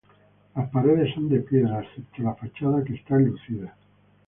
Las paredes son de piedra, excepto la fachada que está enlucida.